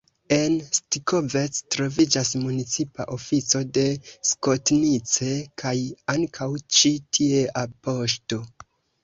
En Stikovec troviĝas municipa ofico de Skotnice kaj ankaŭ ĉi tiea poŝto.